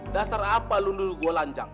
dasar apa lu nuduh gue lancang